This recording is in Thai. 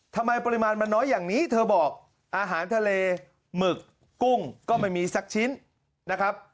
ปริมาณมันน้อยอย่างนี้เธอบอกอาหารทะเลหมึกกุ้งก็ไม่มีสักชิ้นนะครับ